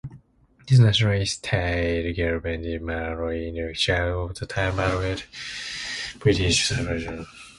This nationalist tide galvanised Malay intellectuals of the time but met British suppression.